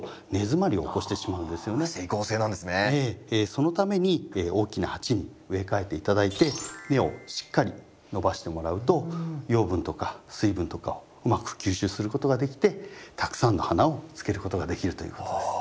そのために大きな鉢に植え替えて頂いて根をしっかり伸ばしてもらうと養分とか水分とかをうまく吸収することができてたくさんの花をつけることができるということです。